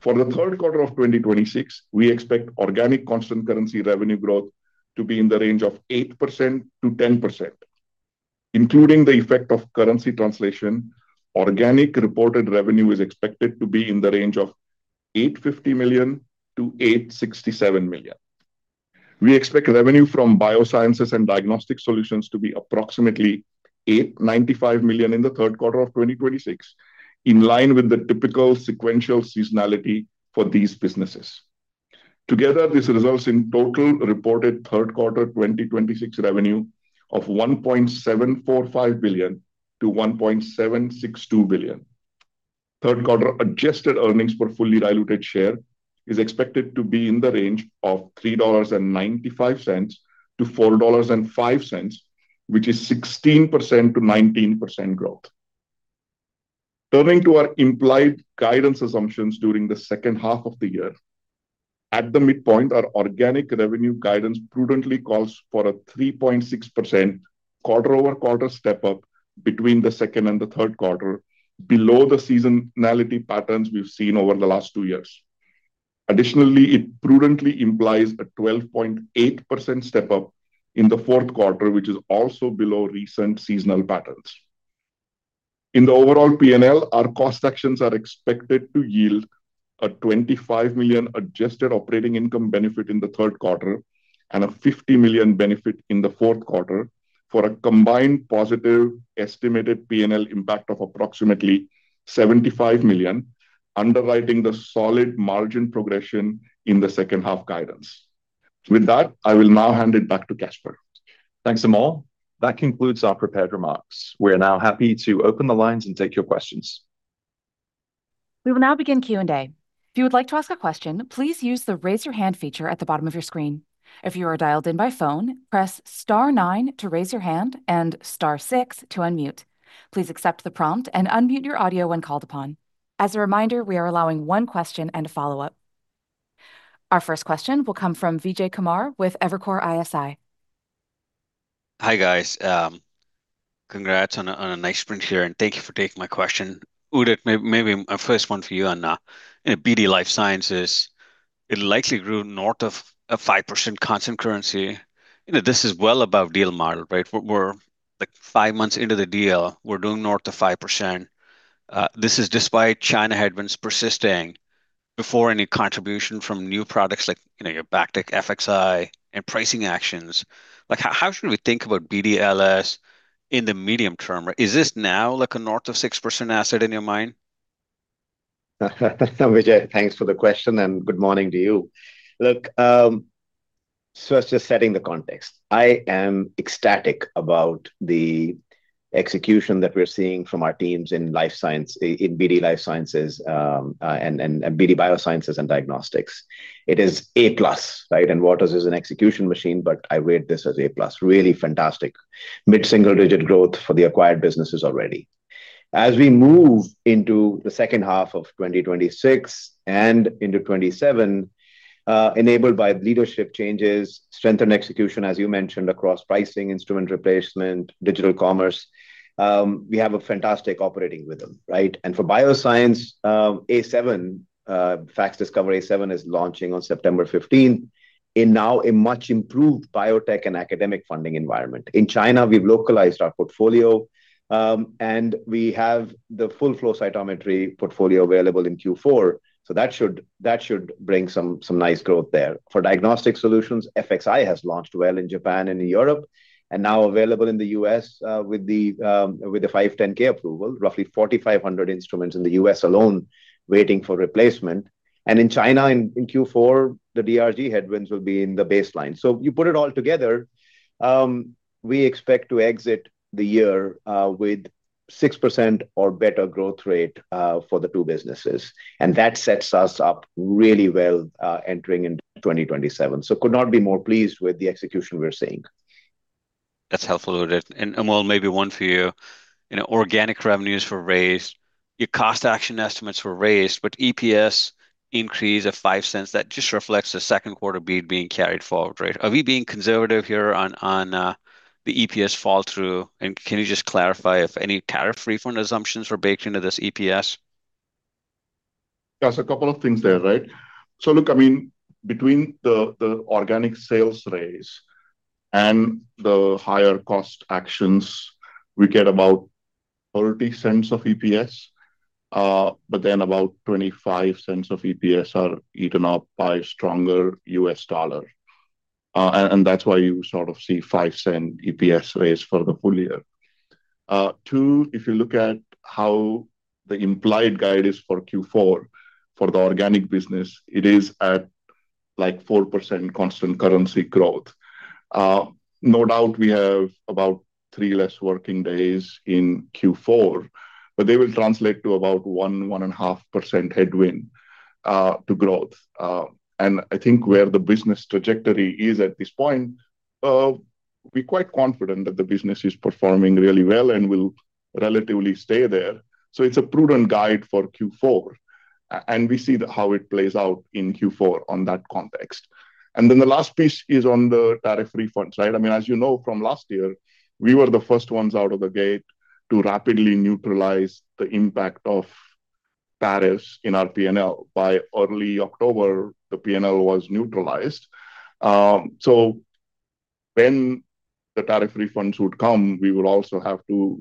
For the third quarter of 2026, we expect organic constant currency revenue growth to be in the range of 8%-10%, including the effect of currency translation. Organic reported revenue is expected to be in the range of $850 million-$867 million. We expect revenue from Biosciences and Diagnostic Solutions to be approximately $895 million in the third quarter of 2026, in line with the typical sequential seasonality for these businesses. Together, this results in total reported third quarter 2026 revenue of $1.745 billion-$1.762 billion. Third quarter adjusted earnings per fully diluted share is expected to be in the range of $3.95-$4.05, which is 16%-19% growth. Turning to our implied guidance assumptions during the second half of the year. At the midpoint, our organic revenue guidance prudently calls for a 3.6% quarter-over-quarter step-up between the second and the third quarter, below the seasonality patterns we've seen over the last two years. Additionally, it prudently implies a 12.8% step-up in the fourth quarter, which is also below recent seasonal patterns. In the overall P&L, our cost actions are expected to yield a $25 million adjusted operating income benefit in the third quarter and a $50 million benefit in the fourth quarter for a combined positive estimated P&L impact of approximately $75 million, underwriting the solid margin progression in the second half guidance. With that, I will now hand it back to Caspar. Thanks, Amol. That concludes our prepared remarks. We are now happy to open the lines and take your questions. We will now begin Q&A. If you would like to ask a question, please use the raise your hand feature at the bottom of your screen. If you are dialed in by phone, press star nine to raise your hand and star six to unmute. Please accept the prompt and unmute your audio when called upon. As a reminder, we are allowing one question and a follow-up. Our first question will come from Vijay Kumar with Evercore ISI. Hi, guys. Congrats on a nice print here, thank you for taking my question. Udit, maybe my first one for you on BD Life Sciences. It likely grew north of a 5% constant currency. This is well above deal model, right? We're five months into the deal. We're doing north of 5%. This is despite China headwinds persisting. Before any contribution from new products like your BACTEC FXI and pricing actions, how should we think about BDLS in the medium term? Is this now a north of 6% asset in your mind? Vijay, thanks for the question. Good morning to you. Look, let's just setting the context. I am ecstatic about the execution that we're seeing from our teams in BD Life Sciences, and BD Biosciences, and Diagnostics. It is A+. Waters is an execution machine, but I rate this as A+. Really fantastic. Mid-single-digit growth for the acquired businesses already. As we move into the second half of 2026 and into 2027, enabled by leadership changes, strengthened execution, as you mentioned, across pricing, instrument replacement, digital commerce, we have a fantastic operating rhythm. For Biosciences, FACSDiscover A7 is launching on September 15th in now a much-improved biotech and academic funding environment. In China, we've localized our portfolio, and we have the full flow cytometry portfolio available in Q4. That should bring some nice growth there. For Diagnostic Solutions, BACTEC FXI has launched well in Japan and in Europe, and now available in the U.S. with the 510(k) approval. Roughly 4,500 instruments in the U.S. alone waiting for replacement. In China, in Q4, the DRG headwinds will be in the baseline. You put it all together, we expect to exit the year with 6% or better growth rate for the two businesses. That sets us up really well entering into 2027. Could not be more pleased with the execution we're seeing. That's helpful, Udit. Amol, maybe one for you. Organic revenues were raised, your cost action estimates were raised, but EPS increase of $0.05, that just reflects the second quarter beat being carried forward, right? Are we being conservative here on the EPS fall-through? Can you just clarify if any tariff refund assumptions were baked into this EPS? Between the organic sales raise and the higher cost actions, we get about $0.30 of EPS. About $0.25 of EPS are eaten up by a stronger U.S. dollar. That's why you sort of see $0.05 EPS raise for the full year. Two, if you look at how the implied guide is for Q4 for the organic business, it is at 4% constant currency growth. No doubt we have about three less working days in Q4, but they will translate to about 1%-1.5% headwind to growth. I think where the business trajectory is at this point, we're quite confident that the business is performing really well and will relatively stay there. It's a prudent guide for Q4. We see how it plays out in Q4 on that context. The last piece is on the tariff refunds. As you know from last year, we were the first ones out of the gate to rapidly neutralize the impact of tariffs in our P&L. By early October, the P&L was neutralized. When the tariff refunds would come, we will also have to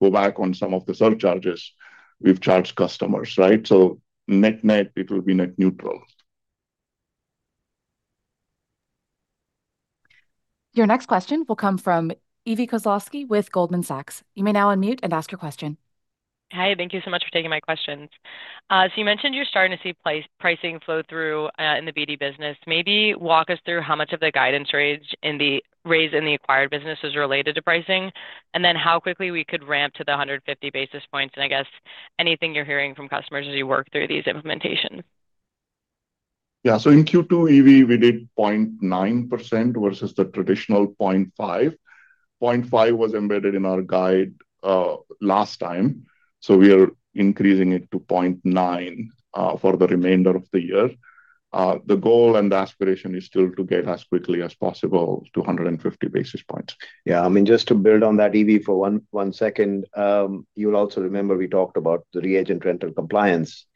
go back on some of the surcharges we've charged customers. Net-net, it will be net neutral. Your next question will come from Evie Koslosky with Goldman Sachs. You may now unmute and ask your question. Hi. Thank you so much for taking my questions. You mentioned you're starting to see pricing flow through in the BD business. Maybe walk us through how much of the guidance raise in the acquired business is related to pricing, and then how quickly we could ramp to the 150 basis points, and I guess anything you're hearing from customers as you work through these implementations. In Q2, Evie, we did 0.9% versus the traditional 0.5%. 0.5% was embedded in our guide last time, we are increasing it to 0.9% for the remainder of the year. The goal and the aspiration is still to get as quickly as possible to 150 basis points. Yeah. Just to build on that, Evie, for one second. You'll also remember we talked about the reagent rental compliance.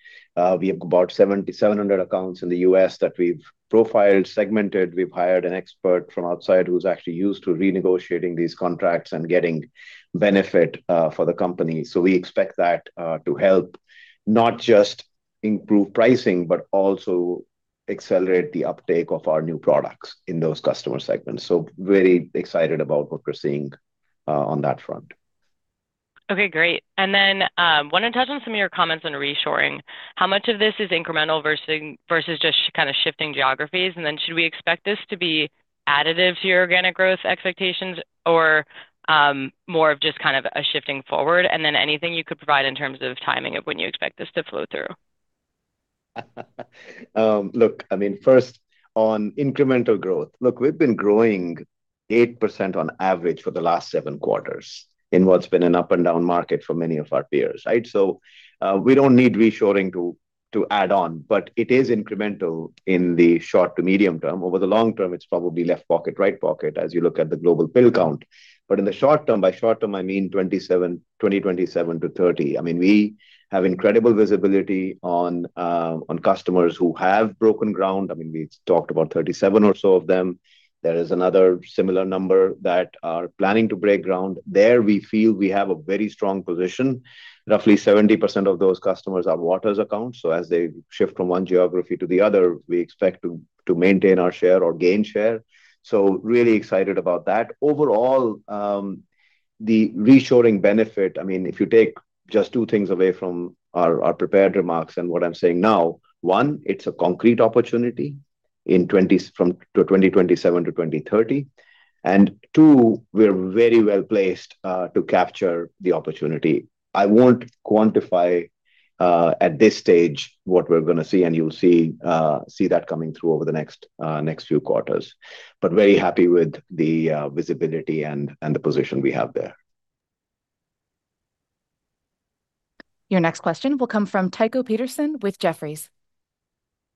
We have about 7,700 accounts in the U.S. that we've profiled, segmented. We've hired an expert from outside who's actually used to renegotiating these contracts and getting benefit for the company. We expect that to help not just improve pricing, but also accelerate the uptake of our new products in those customer segments. Very excited about what we're seeing on that front. Okay, great. Wanted to touch on some of your comments on reshoring. How much of this is incremental versus just kind of shifting geographies? Should we expect this to be additive to your organic growth expectations, or more of just kind of a shifting forward? Anything you could provide in terms of timing of when you expect this to flow through. Look, first on incremental growth. We've been growing 8% on average for the last seven quarters in what's been an up-and-down market for many of our peers. We don't need reshoring to add on, but it is incremental in the short to medium term. Over the long term, it's probably left pocket, right pocket, as you look at the global pill count. In the short term, by short term I mean 2027 to 2030. We have incredible visibility on customers who have broken ground. We talked about 37 or so of them. There is another similar number that are planning to break ground. There, we feel we have a very strong position. Roughly 70% of those customers are Waters accounts, as they shift from one geography to the other, we expect to maintain our share or gain share. Really excited about that. Overall, the reshoring benefit, if you take just two things away from our prepared remarks and what I'm saying now, one, it's a concrete opportunity from 2027 to 2030. Two, we're very well-placed to capture the opportunity. I won't quantify at this stage what we're going to see, and you'll see that coming through over the next few quarters. Very happy with the visibility and the position we have there. Your next question will come from Tycho Peterson with Jefferies.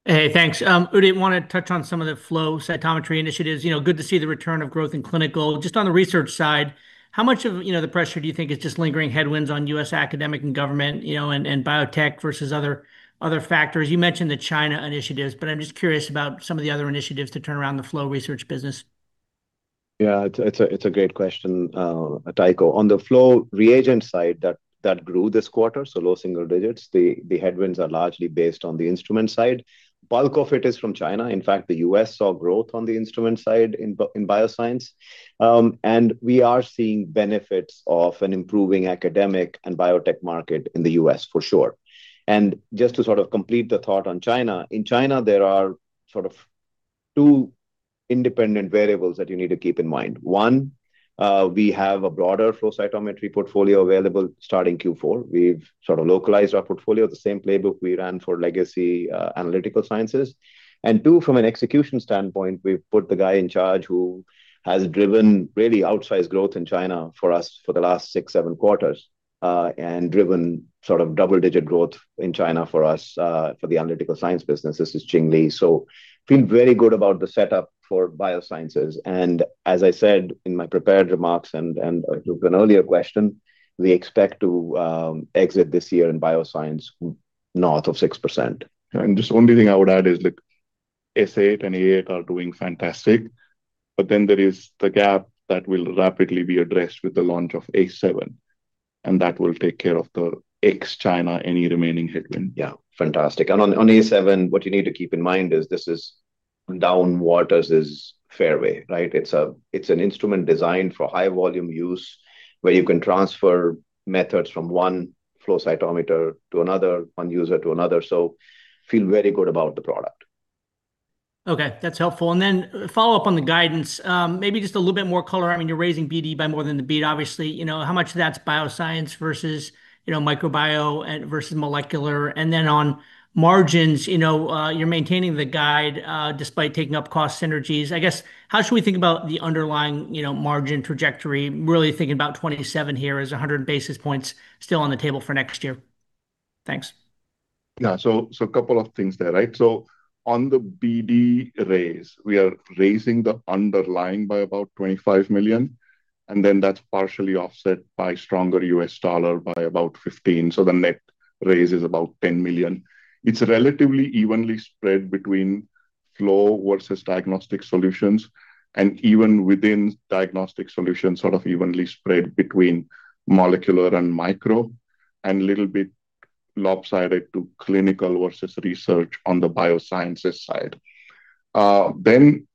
Hey, thanks. Udit, want to touch on some of the flow cytometry initiatives. Good to see the return of growth in clinical. Just on the research side, how much of the pressure do you think is just lingering headwinds on U.S. academic and government, biotech versus other factors? You mentioned the China initiatives, I'm just curious about some of the other initiatives to turn around the flow research business. Yeah, it's a great question, Tycho. On the flow reagent side, that grew this quarter, so low single digits. The headwinds are largely based on the instrument side. Bulk of it is from China. In fact, the U.S. saw growth on the instrument side in bioscience. We are seeing benefits of an improving academic and biotech market in the U.S. for sure. Just to sort of complete the thought on China, in China, there are sort of two independent variables that you need to keep in mind. One, we have a broader flow cytometry portfolio available starting Q4. We've sort of localized our portfolio, the same playbook we ran for legacy Analytical Sciences. Two, from an execution standpoint, we've put the guy in charge who has driven really outsized growth in China for us for the last six, seven quarters, driven sort of double-digit growth in China for us for the Analytical Sciences business. This is Qing Li. Feel very good about the setup for Biosciences. As I said in my prepared remarks and to an earlier question, we expect to exit this year in Biosciences north of 6%. Just only thing I would add is like S8 and A8 are doing fantastic, there is the gap that will rapidly be addressed with the launch of A7, that will take care of the ex-China, any remaining headwind. Yeah. Fantastic. On A7, what you need to keep in mind is this is down Waters' fairway, right? It's an instrument designed for high-volume use where you can transfer methods from one flow cytometer to another, one user to another. Feel very good about the product. Okay, that's helpful. Follow-up on the guidance. Maybe just a little bit more color. You're raising BD by more than the beat, obviously. How much of that's Biosciences versus microbiome versus molecular? On margins, you're maintaining the guide, despite taking up cost synergies. I guess, how should we think about the underlying margin trajectory, really thinking about 2027 here as 100 basis points still on the table for next year? Thanks. Couple of things there. On the BD raise, we are raising the underlying by about $25 million, and that's partially offset by stronger U.S. dollar by about $15 million, the net raise is about $10 million. It's relatively evenly spread between flow versus Diagnostic Solutions, and even within Diagnostic Solutions, sort of evenly spread between molecular and micro, and little bit lopsided to clinical versus research on the Biosciences side.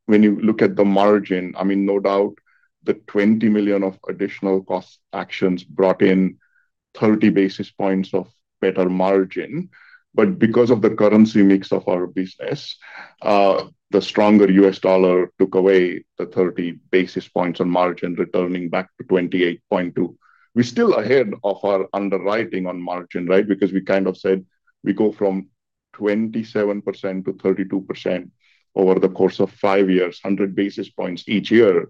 When you look at the margin, no doubt the $20 million of additional cost actions brought in 30 basis points of better margin. But because of the currency mix of our business, the stronger U.S. dollar took away the 30 basis points on margin, returning back to 28.2%. We're still ahead of our underwriting on margin, right? We kind of said we go from 27%-32% over the course of five years, 100 basis points each year.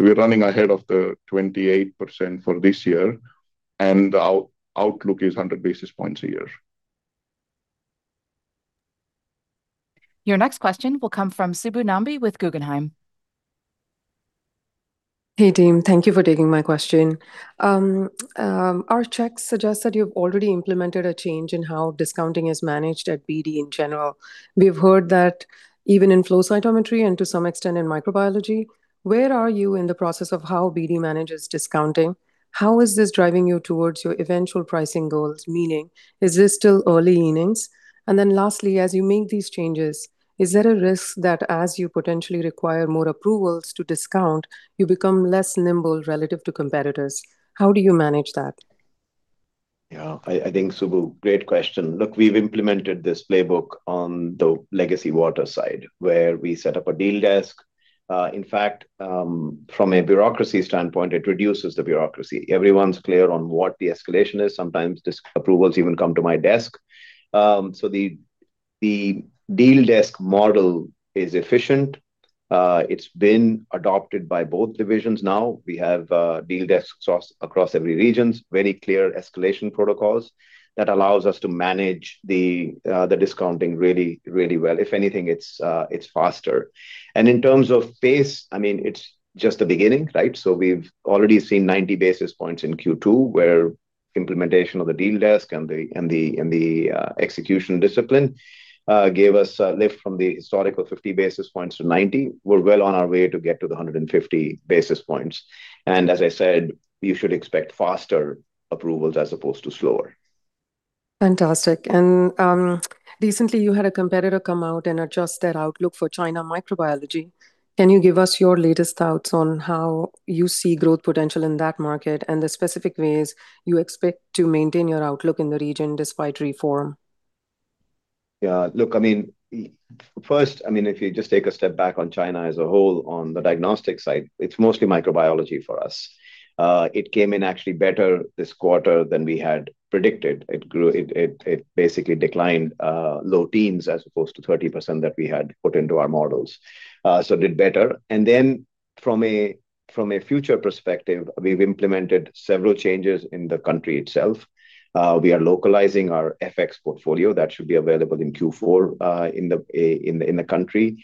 We're running ahead of the 28% for this year, and our outlook is 100 basis points a year. Your next question will come from Subbu Nambi with Guggenheim. Hey, team. Thank you for taking my question. Our checks suggest that you've already implemented a change in how discounting is managed at BD in general. We've heard that even in flow cytometry and to some extent in microbiology. Where are you in the process of how BD manages discounting? How is this driving you towards your eventual pricing goals? Meaning, is this still early innings? Lastly, as you make these changes, is there a risk that as you potentially require more approvals to discount, you become less nimble relative to competitors? How do you manage that? Yeah, I think, Subbu, great question. Look, we've implemented this playbook on the legacy Waters side, where we set up a deal desk. In fact, from a bureaucracy standpoint, it reduces the bureaucracy. Everyone's clear on what the escalation is. Sometimes approvals even come to my desk. The deal desk model is efficient. It's been adopted by both divisions now. We have deal desks across every region, very clear escalation protocols that allows us to manage the discounting really, really well. If anything, it's faster. In terms of pace, it's just the beginning, right? We've already seen 90 basis points in Q2 where implementation of the deal desk and the execution discipline gave us a lift from the historical 50 basis points to 90 basis points. We're well on our way to get to the 150 basis points. As I said, you should expect faster approvals as opposed to slower. Fantastic. Recently you had a competitor come out and adjust their outlook for China microbiology. Can you give us your latest thoughts on how you see growth potential in that market and the specific ways you expect to maintain your outlook in the region despite reform? Yeah. Look, first, if you just take a step back on China as a whole, on the diagnostic side, it's mostly microbiology for us. It came in actually better this quarter than we had predicted. It basically declined low teens as opposed to 30% that we had put into our models. It did better. Then from a future perspective, we've implemented several changes in the country itself. We are localizing our BACTEC FX portfolio. That should be available in Q4 in the country.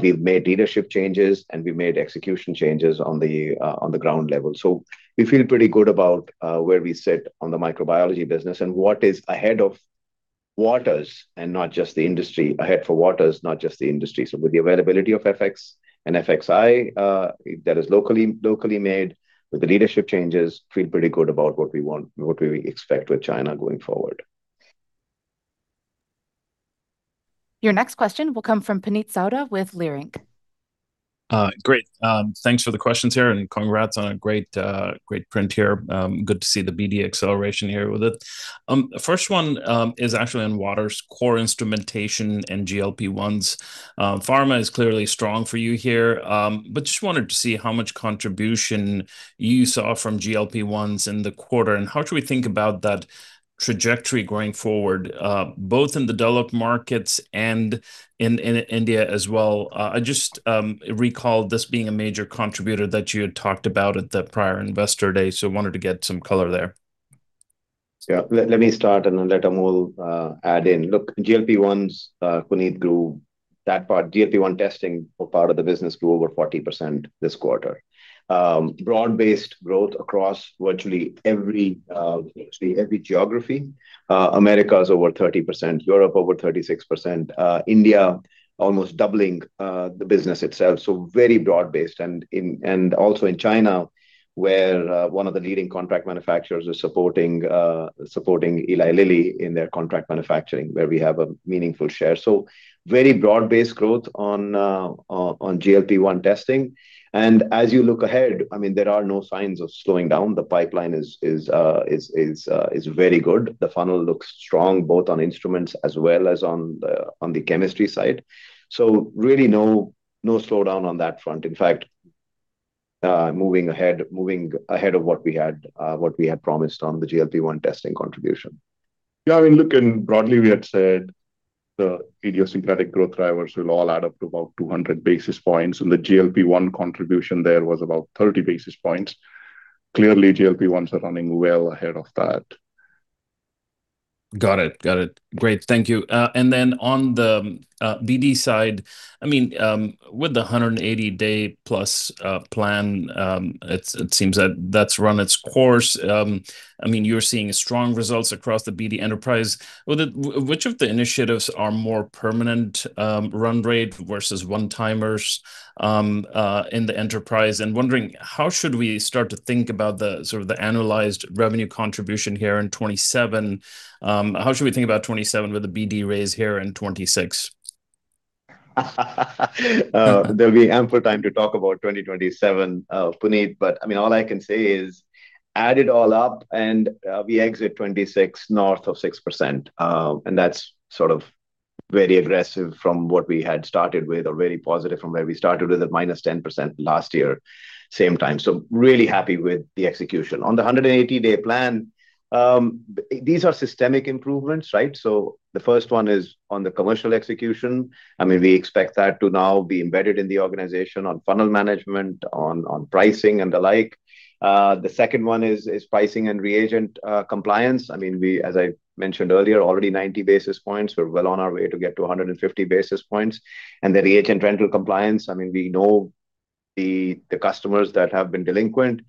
We've made leadership changes, and we've made execution changes on the ground level. We feel pretty good about where we sit on the microbiology business and what is ahead of Waters and not just the industry. Ahead for Waters, not just the industry. With the availability of BACTEC FX and BACTEC FXI that is locally made, with the leadership changes, feel pretty good about what we want and what we expect with China going forward. Your next question will come from Puneet Souda with Leerink. Great. Thanks for the questions here and congrats on a great print here. Good to see the BD acceleration here with it. First one is actually on Waters core instrumentation and GLP-1s. Pharma is clearly strong for you here, but just wanted to see how much contribution you saw from GLP-1s in the quarter, and how should we think about that trajectory going forward, both in the developed markets and in India as well? I just recalled this being a major contributor that you had talked about at the prior Investor Day, wanted to get some color there. Yeah. Let me start and then let Amol add in. Look, GLP-1s, Puneet, grew that part. GLP-1 testing for part of the business grew over 40% this quarter. Broad-based growth across virtually every geography. Americas over 30%, Europe over 36%, India almost doubling the business itself. Very broad-based. Also in China, where one of the leading contract manufacturers is supporting Eli Lilly in their contract manufacturing, where we have a meaningful share. Very broad-based growth on GLP-1 testing. As you look ahead, there are no signs of slowing down. The pipeline is very good. The funnel looks strong, both on instruments as well as on the chemistry side. Really no slowdown on that front. In fact, moving ahead of what we had promised on the GLP-1 testing contribution. Yeah, look, broadly, we had said the idiosyncratic growth drivers will all add up to about 200 basis points, and the GLP-1 contribution there was about 30 basis points. Clearly, GLP-1s are running well ahead of that. Got it. Great. Thank you. Then on the BD side, with the 180-day-plus plan, it seems that that's run its course. You're seeing strong results across the BD enterprise. Which of the initiatives are more permanent run rate versus one-timers in the enterprise? Wondering, how should we start to think about the sort of the analyzed revenue contribution here in 2027? How should we think about 2027 with the BD raise here in 2026? There'll be ample time to talk about 2027, Puneet, all I can say is add it all up and we exit 2026 north of 6%. That's sort of very aggressive from what we had started with, or very positive from where we started with at -10% last year, same time. Really happy with the execution. On the 180-day plan, these are systemic improvements, right? The first one is on the commercial execution. We expect that to now be embedded in the organization on funnel management, on pricing, and the like. The second one is pricing and reagent compliance. As I mentioned earlier, already 90 basis points. We're well on our way to get to 150 basis points. The reagent rental compliance, we know the customers that have been delinquent.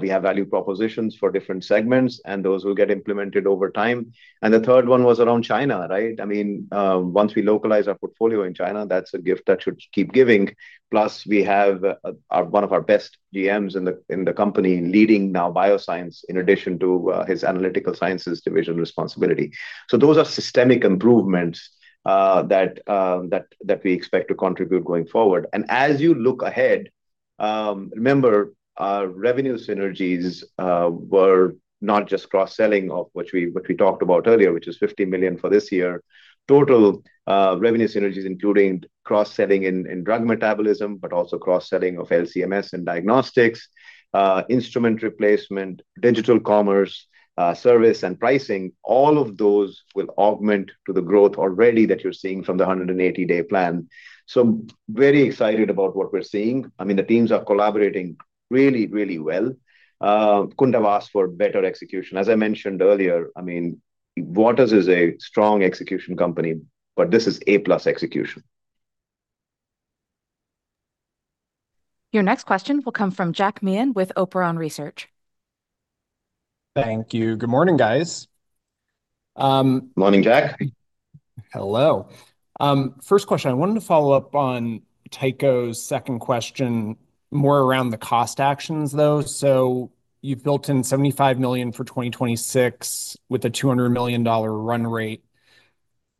We have value propositions for different segments, and those will get implemented over time. The third one was around China, right? Once we localize our portfolio in China, that's a gift that should keep giving. Plus, we have one of our best GMs in the company leading now Biosciences in addition to his Analytical Sciences Division responsibility. Those are systemic improvements that we expect to contribute going forward. As you look ahead, remember our revenue synergies were not just cross-selling of what we talked about earlier, which is $50 million for this year. Total revenue synergies, including cross-selling in drug metabolism, but also cross-selling of LC-MS and diagnostics, instrument replacement, digital commerce, service, and pricing. All of those will augment to the growth already that you're seeing from the 180-day plan. Very excited about what we're seeing. The teams are collaborating really, really well. Couldn't have asked for better execution. As I mentioned earlier, Waters is a strong execution company, but this is A+ execution. Your next question will come from Jack Meehan with Operon Research. Thank you. Good morning, guys. Morning, Jack. Hello. First question, I wanted to follow up on Tycho's second question more around the cost actions, though. You've built in $75 million for 2026 with a $200 million run rate.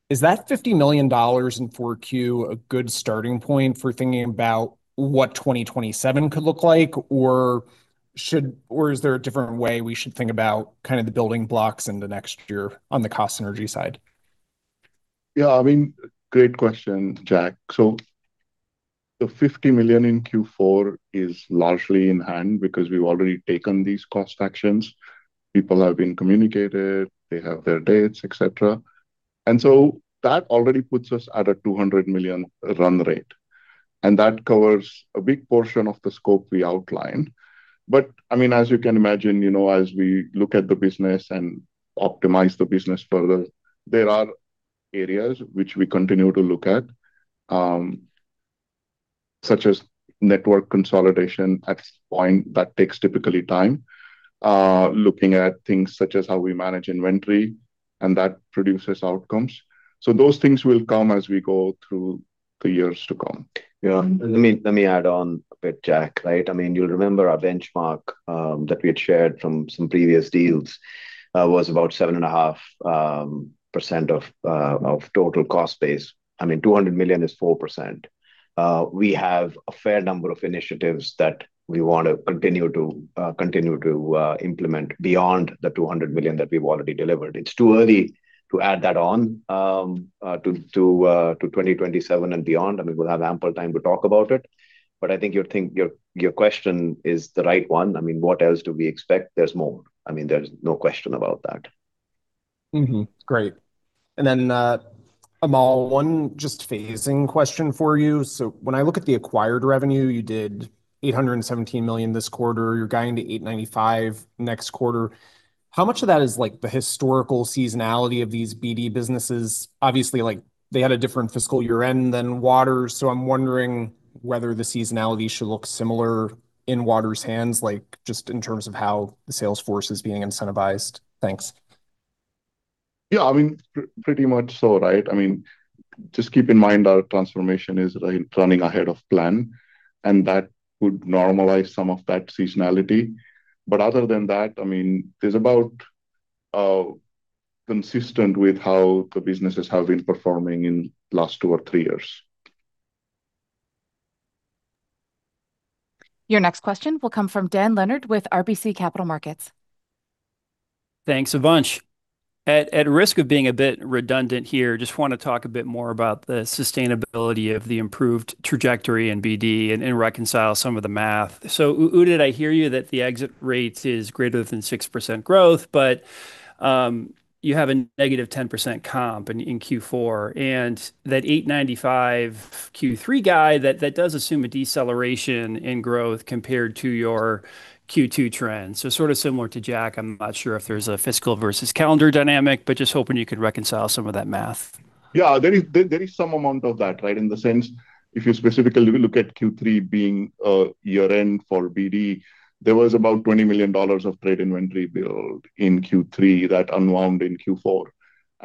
Is that $50 million in 4Q a good starting point for thinking about what 2027 could look like? Is there a different way we should think about the building blocks in the next year on the cost synergy side? Yeah, great question, Jack. The $50 million in Q4 is largely in hand because we've already taken these cost actions. People have been communicated, they have their dates, et cetera. That already puts us at a $200 million run rate, and that covers a big portion of the scope we outlined. As you can imagine, as we look at the business and optimize the business further, there are areas which we continue to look at, such as network consolidation. At this point, that takes typically time. Looking at things such as how we manage inventory, and that produces outcomes. Those things will come as we go through the years to come. Yeah. Let me add on a bit, Jack. You'll remember our benchmark, that we had shared from some previous deals, was about 7.5% of total cost base. $200 million is 4%. We have a fair number of initiatives that we want to continue to implement beyond the $200 million that we've already delivered. It's too early to add that on to 2027 and beyond, and we will have ample time to talk about it. I think your question is the right one. What else do we expect? There's more. There's no question about that. Mm-hmm. Great. Then, Amol, one just phasing question for you. When I look at the acquired revenue, you did $817 million this quarter. You're guiding to $895 million next quarter. How much of that is the historical seasonality of these BD businesses? Obviously, they had a different fiscal year-end than Waters, so I'm wondering whether the seasonality should look similar in Waters' hands, just in terms of how the sales force is being incentivized. Thanks. Yeah, pretty much so. Just keep in mind our transformation is running ahead of plan, that would normalize some of that seasonality. Other than that, it's about consistent with how the businesses have been performing in last two or three years. Your next question will come from Dan Leonard with RBC Capital Markets. Thanks a bunch. At risk of being a bit redundant here, just want to talk a bit more about the sustainability of the improved trajectory in BD and reconcile some of the math. Udit, I hear you that the exit rate is greater than 6% growth, you have a -10% comp in Q4, that $895 Q3 guide, that does assume a deceleration in growth compared to your Q2 trends. Sort of similar to Jack, I'm not sure if there's a fiscal versus calendar dynamic, just hoping you could reconcile some of that math. Yeah, there is some amount of that. In the sense, if you specifically look at Q3 being a year-end for BD, there was about $20 million of trade inventory build in Q3 that unwound in Q4,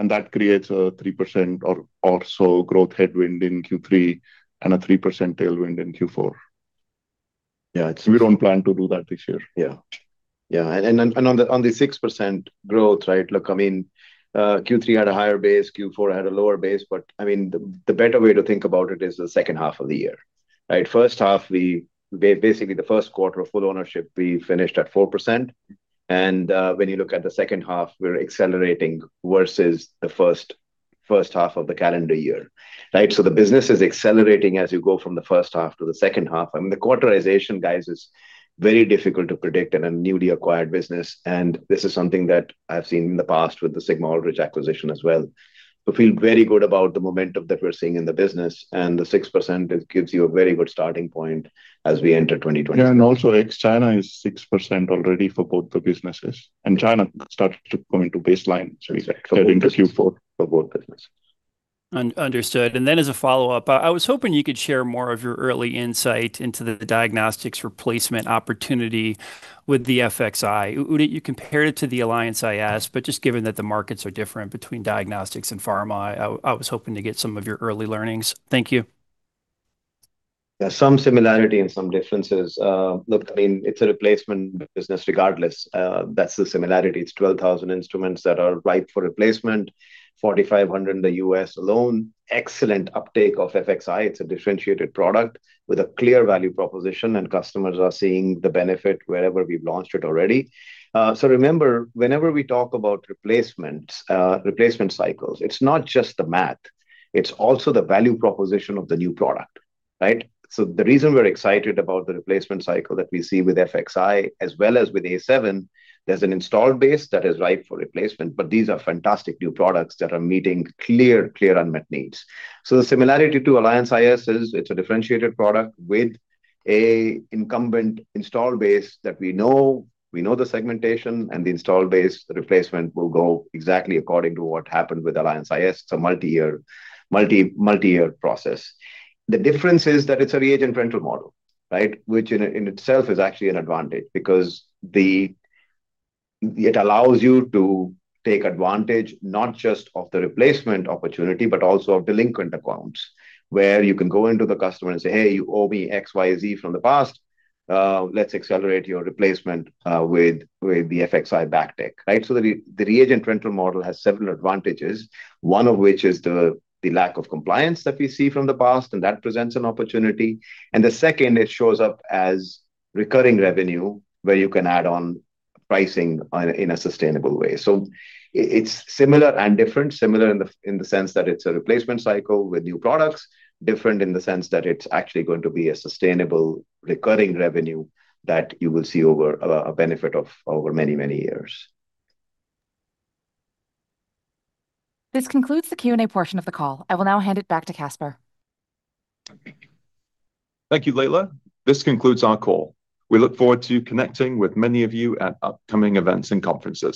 that creates a 3% or so growth headwind in Q3 and a 3% tailwind in Q4. Yeah. We don't plan to do that this year. Yeah. On the 6% growth, look, Q3 had a higher base, Q4 had a lower base, but the better way to think about it is the second half of the year. First half, basically the first quarter of full ownership, we finished at 4%, and when you look at the second half, we're accelerating versus the first half of the calendar year. The business is accelerating as you go from the first half to the second half. The quarterization, guys, is very difficult to predict in a newly acquired business, and this is something that I've seen in the past with the Sigma-Aldrich acquisition as well. We feel very good about the momentum that we're seeing in the business, and the 6% gives you a very good starting point as we enter 2025. Yeah, also ex China is 6% already for both the businesses. China started to come into baseline starting in Q4 for both businesses. Understood. As a follow-up, I was hoping you could share more of your early insight into the diagnostics replacement opportunity with the BACTEC FXI. Udit, you compared it to the Alliance iS, but just given that the markets are different between diagnostics and pharma, I was hoping to get some of your early learnings. Thank you. There's some similarity and some differences. Look, it's a replacement business regardless. That's the similarity. It's 12,000 instruments that are ripe for replacement, 4,500 in the U.S. alone. Excellent uptake of BACTEC FXI. It's a differentiated product with a clear value proposition, and customers are seeing the benefit wherever we've launched it already. Remember, whenever we talk about replacement cycles, it's not just the math, it's also the value proposition of the new product. The reason we're excited about the replacement cycle that we see with BACTEC FXI as well as with A7, there's an installed base that is ripe for replacement. These are fantastic new products that are meeting clear unmet needs. The similarity to Alliance iS is it's a differentiated product with an incumbent install base that we know the segmentation and the install base replacement will go exactly according to what happened with Alliance iS. It's a multi-year process. The difference is that it's a reagent rental model, which in itself is actually an advantage because it allows you to take advantage not just of the replacement opportunity, but also of delinquent accounts, where you can go into the customer and say, "Hey, you owe me X, Y, Z from the past. Let's accelerate your replacement with the FXI BACTEC." The reagent rental model has several advantages, one of which is the lack of compliance that we see from the past, and that presents an opportunity. The second, it shows up as recurring revenue where you can add on pricing in a sustainable way. It's similar and different. Similar in the sense that it's a replacement cycle with new products. Different in the sense that it's actually going to be a sustainable recurring revenue that you will see a benefit of over many, many years. This concludes the Q&A portion of the call. I will now hand it back to Caspar. Thank you, Layla. This concludes our call. We look forward to connecting with many of you at upcoming events and conferences.